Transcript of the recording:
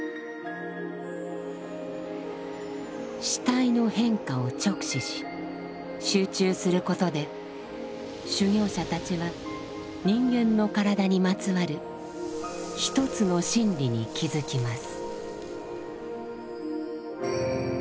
死体の変化を直視し集中することで修行者たちは人間の体にまつわる一つの真理に気づきます。